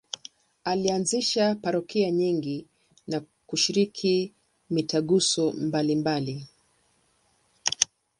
Alianzisha parokia nyingi na kushiriki mitaguso mbalimbali.